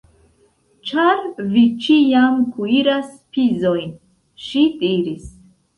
Ĉar vi ĉiam kuiras pizojn, ŝi diris.